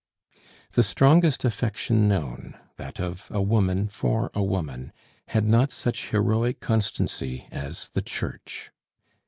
The strongest affection known, that of a woman for a woman, had not such heroic constancy as the Church.